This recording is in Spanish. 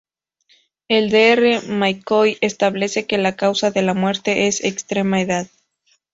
El Dr. McCoy establece que la causa de la muerte es "extrema edad".